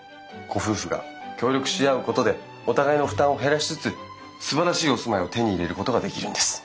ご夫婦が協力し合うことでお互いの負担を減らしつつすばらしいお住まいを手に入れることができるんです。